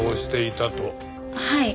はい。